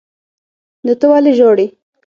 نو ته ولې ژاړې.